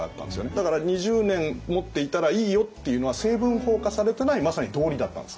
だから２０年持っていたらいいよっていうのは成文法化されてないまさに道理だったんです。